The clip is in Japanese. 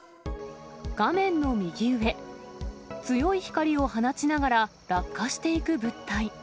画面の右上、強い光を放ちながら、落下していく物体。